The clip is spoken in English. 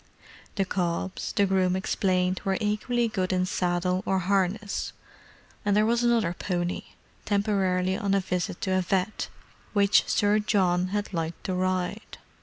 The cobs, the groom explained, were equally good in saddle or harness; and there was another pony, temporarily on a visit to a vet., which Sir John had liked to ride.